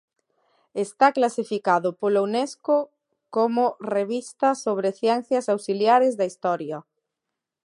Está clasificado pola Unesco como revista sobre Ciencias auxiliares da Historia.